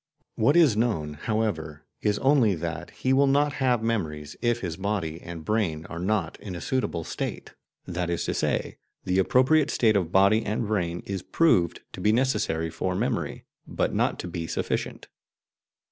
What is known, however, is only that he will not have memories if his body and brain are not in a suitable state. That is to say, the appropriate state of body and brain is proved to be necessary for memory, but not to be sufficient.